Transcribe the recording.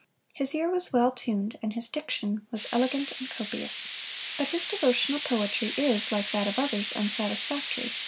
His ear was well tuned, and his diction was elegant and copious. But his devotional poetry is, like that of others, unsatisfactory.